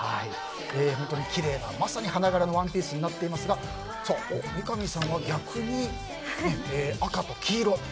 本当にきれいなまさに花柄のワンピースになっていますが三上さんは、逆に赤と黄色。